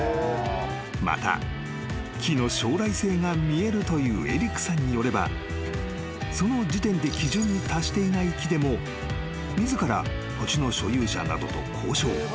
［また木の将来性が見えるというエリックさんによればその時点で基準に達していない木でも自ら土地の所有者などと交渉］